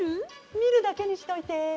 みるだけにしといて。